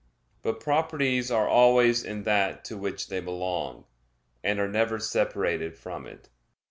But properties are always in that to which they belong; and are never separated from it.